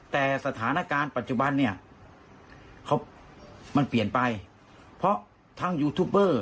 แต่สถานการณ์ปัจจุบันเนี่ยเขามันเปลี่ยนไปเพราะทางยูทูปเบอร์